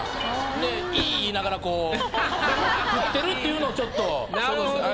で「イー！」言いながらこう食ってるっていうのをちょっと想像して。